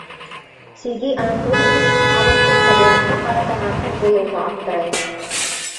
Сергей Анатольевич халыҡтың тәбиғәткә ҡарата ғәмһеҙ булыуына аптырай.